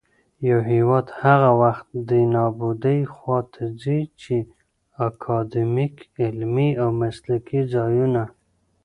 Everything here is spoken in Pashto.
يـو هـېواد هغـه وخـت دې نـابـودۍ خـواته ځـي ،چـې اکـادميـک، عـلمـي او مـسلـکي ځـايـونــه